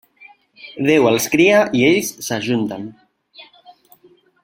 Déu els cria i ells s'ajunten.